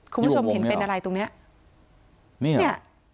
คุณผู้ชมเห็นเป็นอะไรตรงนี้